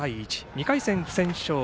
２回戦、不戦勝。